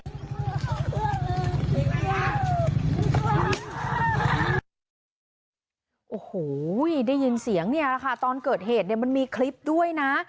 โอ้โหได้ยินเสียงเนี่ยแหละค่ะตอนเกิดเหตุเนี่ยมันมีคลิปด้วยนะ